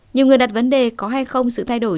nhiều người đặt vấn đề có hay không sự thay đổi